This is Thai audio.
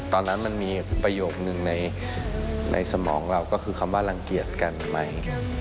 ตอนนั้นมันมีประโยคนึงในสมองเราก็คือคำว่ารังเกียจกันไหม